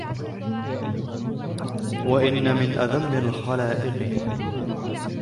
وَإِنَّ مِنْ أَذَمِّ الْخَلَائِقِ